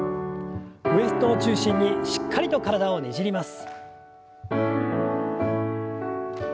ウエストを中心にしっかりと体をねじります。